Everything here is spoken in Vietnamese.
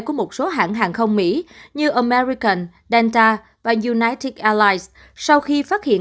của một số hãng hàng không mỹ như american delta và united airlines sau khi phát hiện